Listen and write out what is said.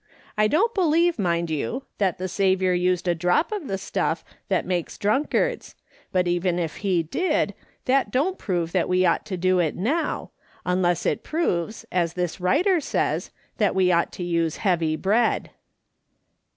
I don't believe, mind you, that the Saviour used a drop of the stuff that makes drunkards, but even if he did, that don't prove that we ought to do it now, unless it proves, as this writer says, that we ought to use heavy bread."